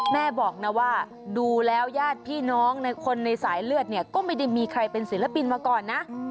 แม่บอกนะว่าดูแล้วญาติพี่น้องในคนในสายเลือดเนี่ยก็ไม่ได้มีใครเป็นศิลปินมาก่อนนะ